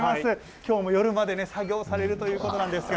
きょうも夜まで作業をされるということなんですが。